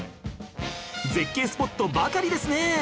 絶景スポットばかりですね